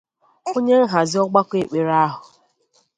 onyenhazi ọgbakọ ekpere ahụ